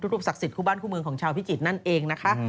รูปศักดิ์สิทธิคู่บ้านคู่เมืองของชาวพิจิตรนั่นเองนะคะ